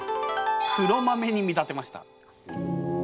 黒豆に見立てました。